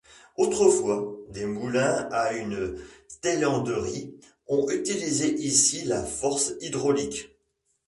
Autrefois des moulins et une taillanderie ont utilisé ici la force hydraulique.